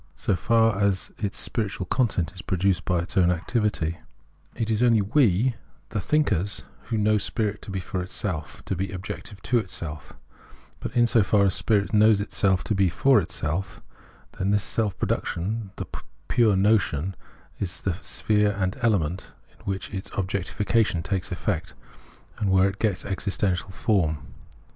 So far as its spiritual content is produced by its own activity, it is only we [the thinkers] who know spirit to be for itself, to be objective to itself ; but in so far as spirit laiows itself to be for itself, then this self production, the pure notion, is the sphere and element in which its objectification takes effect, and where it b Preface 23 gets its existential form.